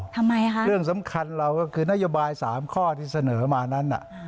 ทำไมคะเรื่องสำคัญเราก็คือนโยบาย๓ข้อที่เสนอมานั้นน่ะ